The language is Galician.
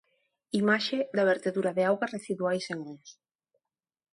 Imaxe da vertedura de augas residuais en Ons.